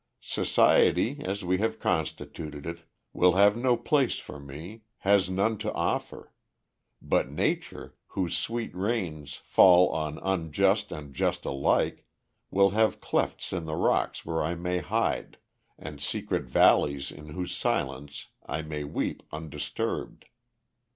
Society, as we have constituted it, will have no place for me, has none to offer; but Nature, whose sweet rains fall on unjust and just alike, will have clefts in the rocks where I may hide, and secret valleys in whose silence I may weep undisturbed.